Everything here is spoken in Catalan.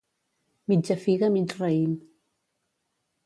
Mitja figa mig raïm.